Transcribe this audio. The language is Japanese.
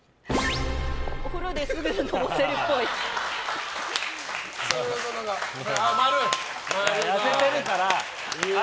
お風呂ですぐのぼせるっぽい。